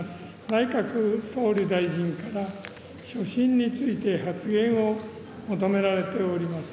内閣総理大臣から所信について発言を求められております。